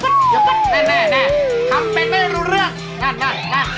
แน่แน่แน่ทำเป็นไม่รู้เรื่องแน่แน่แน่